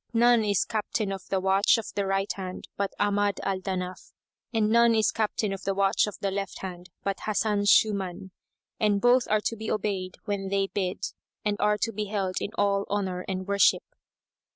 None is captain of the watch of the right hand but Ahmad al Danaf and none is captain of the watch of the left hand but Hasan Shuman, and both are to be obeyed when they bid and are to be held in all honour and worship."